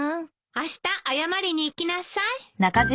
あした謝りに行きなさい。